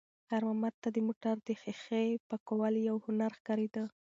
خیر محمد ته د موټر د ښیښې پاکول یو هنر ښکارېده.